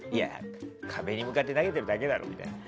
壁に向かって投げてるだけだろ。